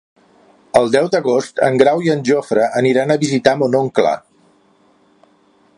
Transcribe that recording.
El deu d'agost en Grau i en Jofre aniran a visitar mon oncle.